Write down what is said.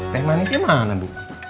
teh manisnya mana bu